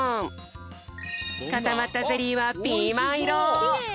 かたまったゼリーはピーマンいろ！